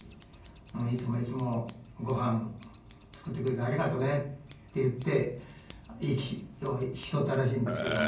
「いつもいつもご飯作ってくれてありがとね」って言って息を引き取ったらしいんですけども。